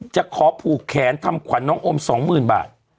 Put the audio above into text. จะขอผูกแขนทำขวัญน้องโอม๒๐๐๐บาท